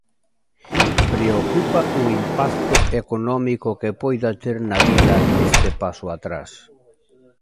Preocupa o impacto económico que poida ter na vila este paso atrás.